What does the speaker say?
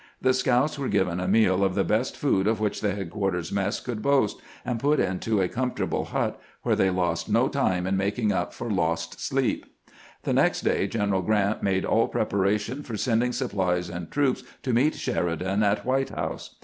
The scouts were given a meal of the best food of which the head quarters mess could boast, and put into a comfortable hut, where they lost no time in making up for lost sleep. The next day General Grant made all preparation for sending supplies and troops to meet Sheridan at White House.